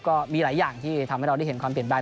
ก็มีหลายอย่างที่ทำให้เราได้เห็นความเปลี่ยนแปลง